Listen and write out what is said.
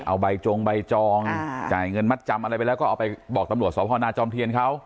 เอาใบจงใบจองจ่ายเงินมัดจำอะไรไปแล้วก็เอาไปบอกตำรวจสพนาจอมเทียนเขา